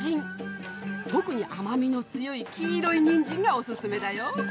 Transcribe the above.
特に甘みの強い黄色いニンジンがおすすめだよ。